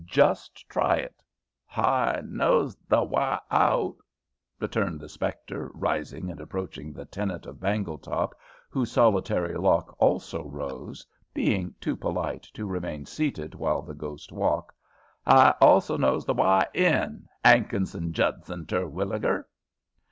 Just try it." "H'I knows the wi out," returned the spectre, rising and approaching the tenant of Bangletop, whose solitary lock also rose, being too polite to remain seated while the ghost walked. "H'I also knows the wi in, 'Ankinson Judson Terwilliger."